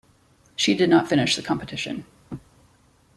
She did not finish the competition.